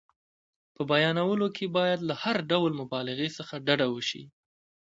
په بیانولو کې باید له هر ډول مبالغې څخه ډډه وشي.